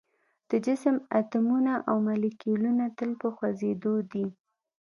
د جسم اتومونه او مالیکولونه تل په خوځیدو دي.